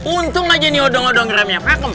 untung aja nih odong odong ngeramnya pak